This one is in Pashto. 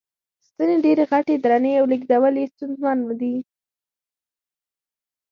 ستنې ډېرې غټې، درنې او لېږدول یې ستونزمن و.